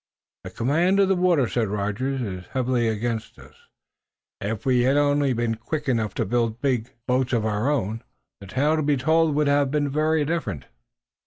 "The command of the water," said Rogers, "is heavily against us. If we had only been quick enough to build big boats of our own, the tale to be told would have been very different."